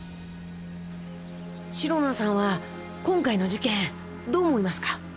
シロナさんは今回の事件どう思いますか？